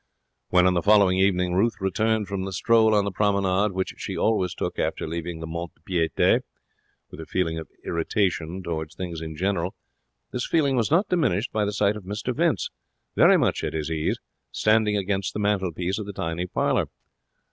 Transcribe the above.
When, on the following evening, Ruth returned from the stroll on the Promenade which she always took after leaving the mont de piete, with a feeling of irritation towards things in general, this feeling was not diminished by the sight of Mr Vince, very much at his ease, standing against the mantelpiece of the tiny parlour.